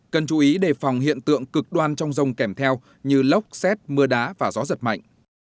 cần chú ý đề phòng hiện tượng cực đoan trong rông kèm theo như lốc xét mưa đá và gió giật mạnh